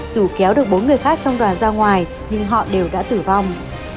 dù kéo được bốn người khác trong đoàn ra ngoài nhưng họ đều đã tử vong